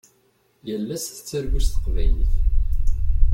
Yal ass tettargu s teqbaylit.